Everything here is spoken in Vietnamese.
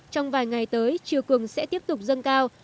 trong vài ngày tới triều cường sẽ tiếp tục dân cao